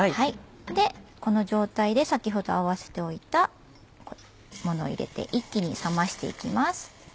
この状態で先ほど合わせておいたものを入れて一気に冷ましていきます。